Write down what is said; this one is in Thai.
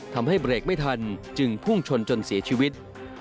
ทำให้เบรกไม่ทันจึงพุ่งชนจนเสียชีวิต